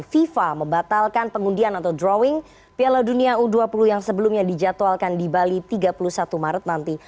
fifa membatalkan pengundian atau drawing piala dunia u dua puluh yang sebelumnya dijadwalkan di bali tiga puluh satu maret nanti